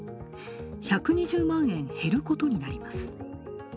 １２０万円減ることになります。